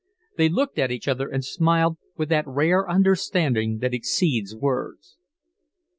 They looked at each other and smiled with that rare understanding that exceeds words.